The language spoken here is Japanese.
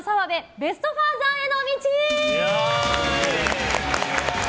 ベストファーザーへの道。